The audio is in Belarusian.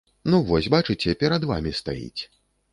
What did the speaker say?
Ну вось бачыце, перад вамі стаіць.